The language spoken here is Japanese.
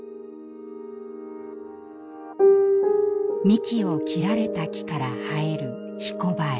幹を切られた木から生えるひこばえ。